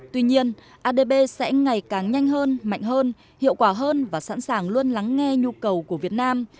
tuy nhiên adb sẽ ngày càng nhanh hơn mạnh hơn hiệu quả hơn và sẵn sàng luôn lắng nghe nhu cầu của việt nam